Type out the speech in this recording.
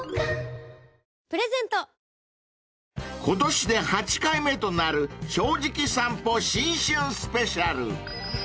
［今年で８回目となる『正直さんぽ』新春スペシャル］